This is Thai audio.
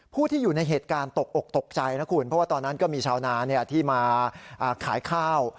ผู้ที่อยู่ในเหตุการณ์ตกอกตกใจนะคุณเพราะว่าตอนนั้นก็มีชาวนาที่มาขายข้าว